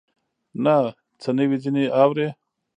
نه څه نوي ځینې اورې